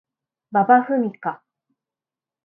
馬場ふみか